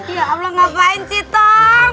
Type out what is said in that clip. ya allah ngapain sih tong